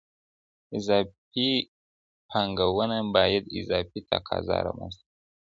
اضافي پانګونه باید اضافي تقاضا رامنځته کړي.